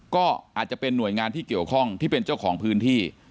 ก็อาจจะเป็นหน่วยงานที่เกี่ยวข้องที่เป็นเจ้าของพื้นที่